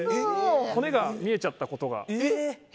骨が見えちゃったことが。